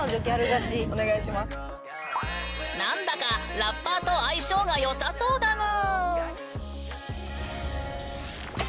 何だかラッパーと相性が良さそうだぬん！